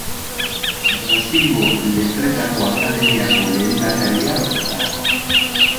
Brasilgo Letretako Akademiako lehendakaria da.